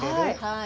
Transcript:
はい。